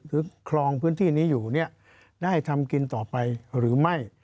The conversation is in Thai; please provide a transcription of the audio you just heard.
ครองพื้นที่นี้อยู่ได้ทำกินต่อไปหรือไม่